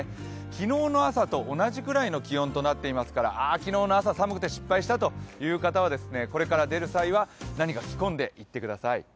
昨日の朝と同じぐらいの気温となっていますから昨日の朝、寒くて失敗したという方はこれから出るときは何か着込んでいってください。